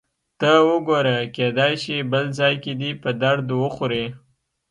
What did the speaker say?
ته وګوره، کېدای شي بل ځای کې دې په درد وخوري.